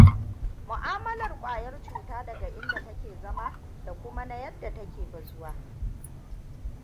Mu’amalar kwayar cuta daga inda take zama da kuma na yadda take bazuwa.